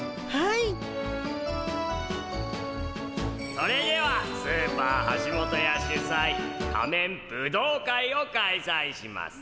それではスーパーはしもとや主催仮面ブドウ会を開催します。